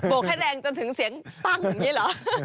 กให้แรงจนถึงเสียงปั้งอย่างนี้เหรอ